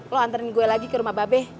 lo antarin gue lagi ke rumah babe